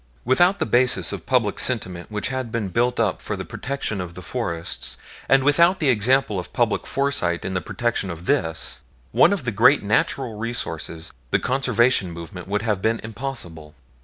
Without the basis of public sentiment which had been built up for the protection of the forests, and without the example of public foresight in the protection of this, one of the great natural resources, the Conservation movement would have been impossible.